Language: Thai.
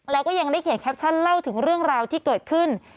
แล้วก็ยังได้เขียนแคปชั่นเล่าถึงเรื่องราวที่เกิดขึ้น